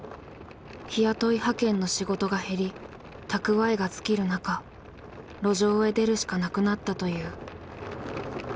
日雇い派遣の仕事が減り蓄えが尽きる中路上へ出るしかなくなったという。